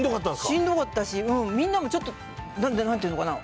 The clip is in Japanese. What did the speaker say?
しんどかったしみんなもちょっとなんていうのかな。